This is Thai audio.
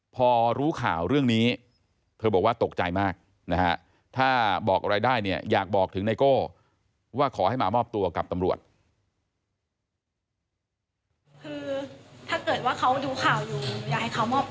พอรู้ข่าวเรื่องนี้เธอบอกว่าตกใจมากนะฮะถ้าบอกอะไรได้เนี่ยอยากบอกถึงไนโก้ว่าขอให้มามอบตัวกับตำรวจ